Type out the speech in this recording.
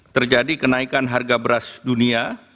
terjadi kenaikan harga beras dunia